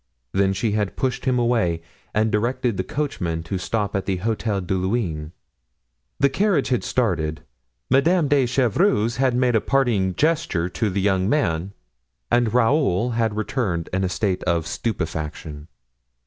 Then she had pushed him away and directed the coachman to stop at the Hotel de Luynes. The carriage had started, Madame de Chevreuse had made a parting gesture to the young man, and Raoul had returned in a state of stupefaction.